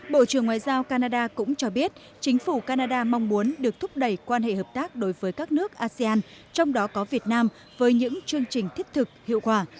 bộ trưởng ngoại giao canada cũng cho biết chính phủ canada mong muốn được thúc đẩy quan hệ hợp tác đối với các nước asean trong đó có việt nam với những chương trình thiết thực hiệu quả